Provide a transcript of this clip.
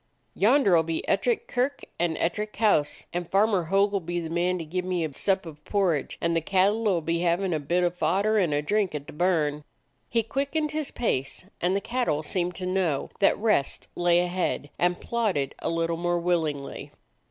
"Yonder 'll be Ettrick Kirk and Ettrick House ; and Farmer Hogg 'll be the man to give me a sup of porridge, and the cattle 'll be having a bit of fodder and a drink at the burn." He quickened his pace, and the cattle seemed to know that rest lay ahead and plod ded a little more willingly.